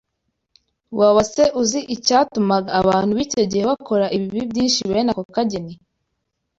Waba se uzi icyatumaga abantu b’icyo gihe bakora ibibi byinshi bene ako kageni?